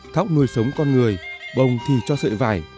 thóc nuôi sống con người bồng thì cho sợi vải